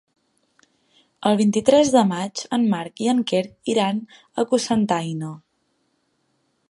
El vint-i-tres de maig en Marc i en Quer iran a Cocentaina.